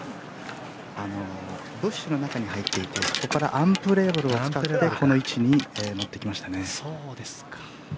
ブッシュの中に入っていてそこからアンプレヤブルを使ってこの位置に持ってきましたね。